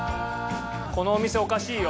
このお店おかしいよ。